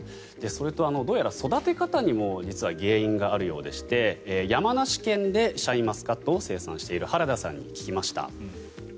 それと、どうやら育て方にも実は原因があるようでして山梨県でシャインマスカットを生産している原田さんに聞きました。